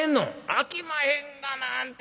あきまへんがなあんた。